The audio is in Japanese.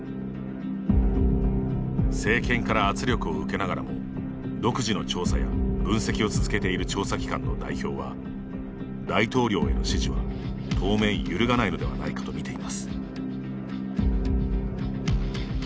政権から圧力を受けながらも独自の調査や分析を続けている調査機関の代表は大統領への支持は当面揺るがないのではないかと見ています。